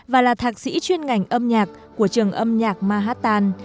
và là thạc sĩ chuyên ngành âm nhạc của trường âm nhạc mahattan